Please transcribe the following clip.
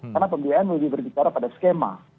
karena pembiayaan lebih berdikara pada skema